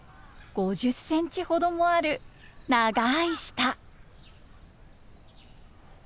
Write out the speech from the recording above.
５０センチほどもある長い舌。